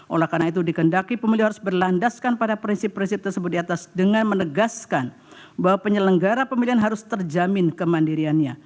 oleh karena itu dikendaki pemilih harus berlandaskan pada prinsip prinsip tersebut di atas dengan menegaskan bahwa penyelenggara pemilihan harus terjamin kemandiriannya